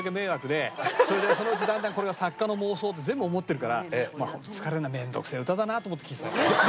それでそのうちだんだんこれは作家の妄想って全部思ってるから疲れるな面倒くせえ歌だなと思って聴いてたよ。